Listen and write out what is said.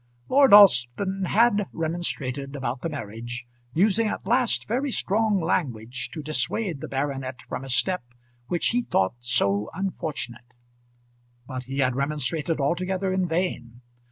Lord Alston had remonstrated about the marriage, using at last very strong language to dissuade the baronet from a step which he thought so unfortunate; but he had remonstrated altogether in vain.